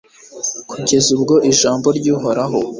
kugeza ubwo ijambo ry’Uhoraho